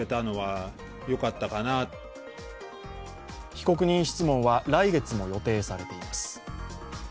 被告人質問は来月も予定されています。